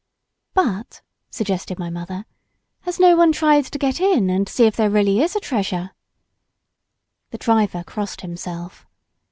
"But," suggested my mother, "has no one tried to get in and see if there really is a treasure?" The driver crossed himself.